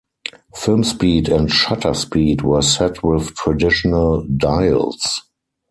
Film speed and shutter speed were set with traditional dials.